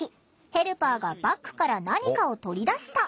ヘルパーがバッグから何かを取り出した。